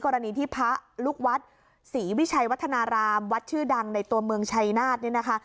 กรณีที่พระลูกวัดศรีวิชัยวัฒนารามวัดชื่อดังในตัวเมืองชัยนาธเนี่ยนะคะ